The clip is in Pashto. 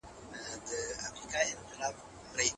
هغه پرون په لاره کي مړ سو.A